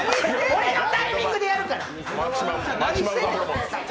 俺のタイミングでやるから！